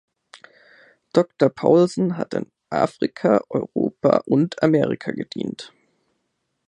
Doktor Paulsen hat in Afrika, Europa und Amerika gedient.